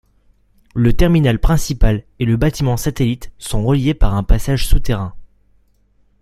Le terminal principal et le bâtiment satellite sont reliés par un passage souterrain.